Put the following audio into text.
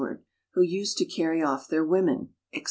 d, who used to carry off their women, &c.